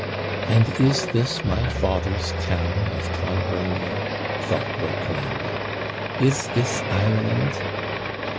'And is this my father's town of Clonbrony?' thought Lord Colambre. 'Is this Ireland?